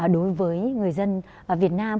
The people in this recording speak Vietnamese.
đối với người dân việt nam